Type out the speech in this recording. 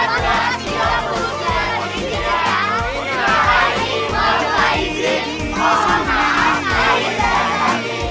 kami keluarga besar pesantren punanta mengucapkan selamat hari raya